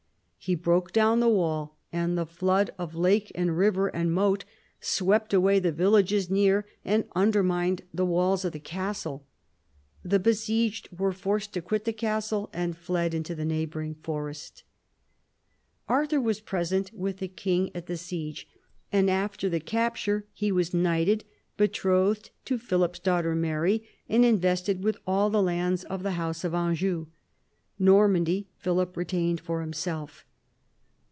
He broke down the wall, and the flood of lake and river and moat swept away the villages near, and undermined the walls of the castle. The besieged were forced to quit the castle, and fled into the neighbouring forest. Arthur was present with the king at the siege, and after the capture he was knighted, betrothed to Philip's daughter, Mary, and invested with all the lands of the house of Anjou. Normandy Philip retained for himself.